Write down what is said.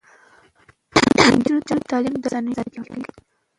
د نجونو تعلیم د رسنیو ازادي پیاوړې کوي.